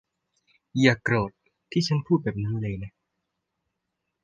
อย่าโกรธที่ฉันพูดแบบนั้นเลยนะ